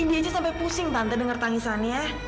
ini aja sampai pusing tante dengar tangisannya